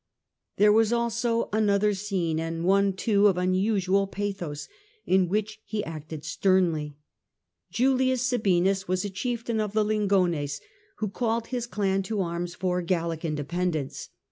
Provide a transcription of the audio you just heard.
There was also another scene, and one loo of unusual pathos, in which he acted sternly. Julius Sabinus was a chieftain of the Lingones who called his clan to arms for Gallic independence.